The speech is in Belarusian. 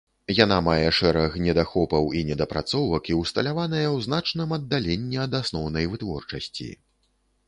Яна мае шэраг недахопаў і недапрацовак і ўсталяваная ў значным аддаленні ад асноўнай вытворчасці.